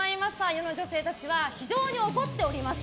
世の女性たちは非常に怒っております。